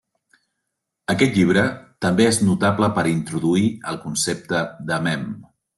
Aquest llibre també és notable per introduir el concepte de mem.